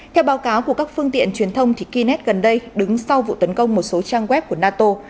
theo báo cáo của các phương tiện truyền thông kunet gần đây đứng sau vụ tấn công một số trang web của nato